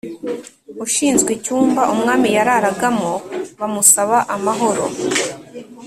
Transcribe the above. Ushinzwe icyumba umwami yararagamo bamusaba amahoro